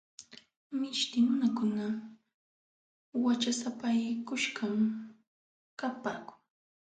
Mishti nunakuna wachasapaykuśhqam kapaakun.